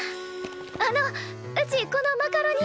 あのうちこのマカロニ。